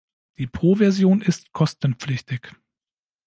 Die Pro Version ist kostenpflichtig.